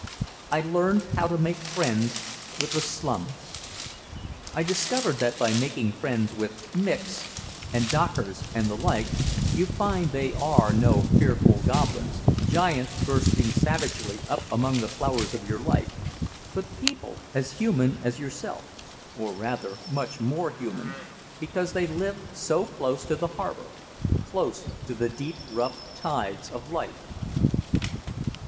I learned how to make friends with "the slums." I discovered that by making friends with "Micks" and "Dockers" and the like, you find they are no fearful goblins, giants bursting savagely up among the flowers of your life, but people as human as yourself, or rather, much more human, because they live so close to the harbor, close to the deep rough tides of life.